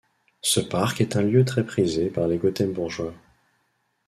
Ce parc est un lieu très prisé par les Gothembourgeois.